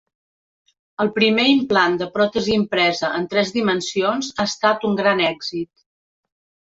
El primer implant de pròtesi impresa en tres dimensions ha estat un gran èxit